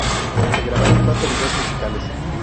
Se grabaron cuatro vídeos musicales.